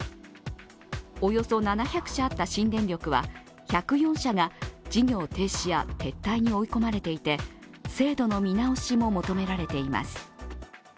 およそ７００社あった新電力は、１０４社が事業停止や撤退に追い込まれていて、制度の見直しも求められています。